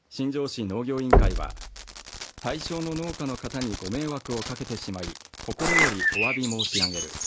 市農業委員会は対象の農家の方にご迷惑をかけてしまい心よりおわび申し上げる。